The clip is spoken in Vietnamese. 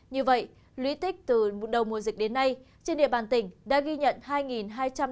như vậy lý tích từ đầu mùa dịch đến nay trên địa bàn tỉnh đã ghi nhận